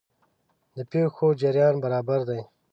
د پېښو جریان برابر دی.